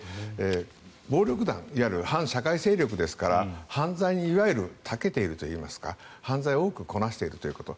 暴力団いわゆる反社会勢力ですから犯罪にたけているといいますか犯罪を多くこなしているということ。